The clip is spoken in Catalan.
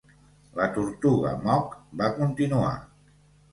La tortuga Mock va continuar.